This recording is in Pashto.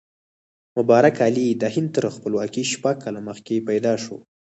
مبارک علي د هند تر خپلواکۍ شپږ کاله مخکې پیدا شو.